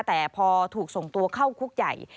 แต่พอถูกส่งตัวเข้าคุกใหญ่